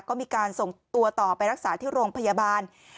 ก็มีการส่งตัวต่อไปรักษาที่โรงพยาบาล